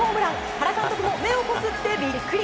原監督も目をこすってビックリ。